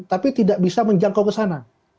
tapi tidak bisa menjangkau ke sana